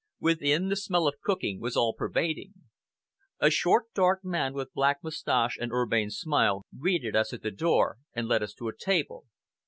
Within, the smell of cooking was all pervading. A short dark man, with black moustache and urbane smile, greeted us at the door, and led us to a table.